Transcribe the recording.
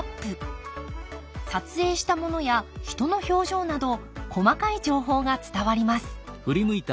撮影したものや人の表情など細かい情報が伝わります。